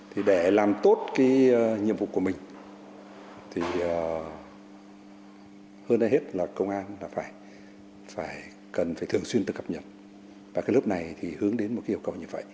thì để làm tốt nhiệm vụ của mình thì hơn đây hết là công an cần phải thường xuyên tự cập nhật và cái lớp này thì hướng đến một yêu cầu như vậy